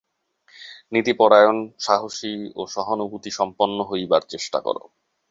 নীতিপরায়ণ, সাহসী ও সহানুভূতিসম্পন্ন হইবার চেষ্টা কর।